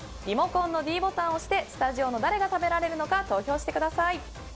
リモコンのｄボタンを押してスタジオの誰が食べられるのか投票してください。